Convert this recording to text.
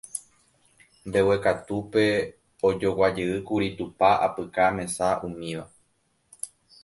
Mbeguekatúpe ojoguajeýkuri tupa, apyka, mesa, umíva.